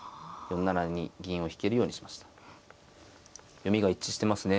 読みが一致してますね。